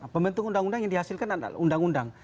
pembentuk undang undang yang dihasilkan adalah undang undang